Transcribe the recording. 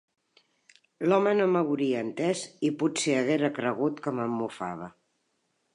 L'home no m'hauria entès i potser haguera cregut que me'n mofava.